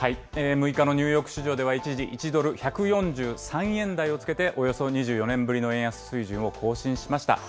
６日のニューヨーク市場では、一時１ドル１４３円台をつけて、およそ２４年ぶりの円安水準を更新しました。